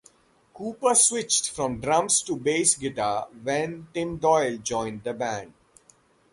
Cooper switched from drums to bass guitar when Tim Doyle joined the band.